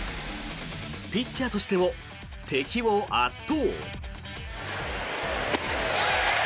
ピッチャーとしても敵を圧倒。